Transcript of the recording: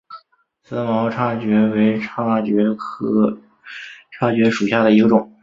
思茅叉蕨为叉蕨科叉蕨属下的一个种。